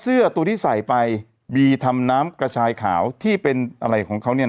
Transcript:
เสื้อตัวที่ใส่ไปบีทำน้ำกระชายขาวที่เป็นอะไรของเขาเนี่ย